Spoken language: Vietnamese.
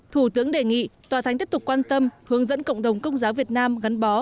thủ tướng đề nghị tòa thánh tiếp tục quan tâm hướng dẫn cộng đồng công giáo việt nam gắn bó